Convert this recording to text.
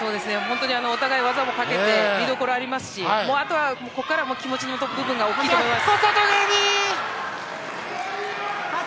お互い、技もかけて見どころありますしあとは気持ちの部分が大きいと思います。